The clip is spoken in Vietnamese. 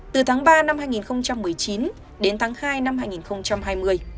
từ tháng ba năm hai nghìn một mươi chín đến tháng hai năm hai nghìn hai mươi